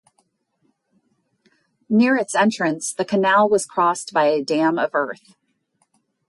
Near its entrance, the canal was crossed by a dam of earth.